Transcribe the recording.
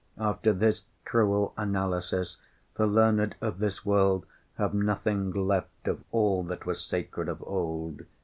After this cruel analysis the learned of this world have nothing left of all that was sacred of old.